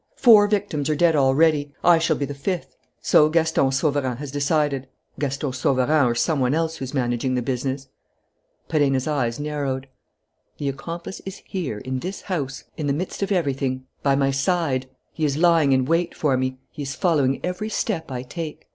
Four victims are dead already. I shall be the fifth. So Gaston Sauverand has decided: Gaston Sauverand or some one else who's managing the business." Perenna's eyes narrowed. "The accomplice is here, in this house, in the midst of everything, by my side. He is lying in wait for me. He is following every step I take.